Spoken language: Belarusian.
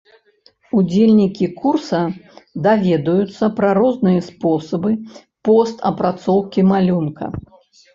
Удзельнікі курса даведаюцца пра розныя спосабы пост апрацоўкі малюнка.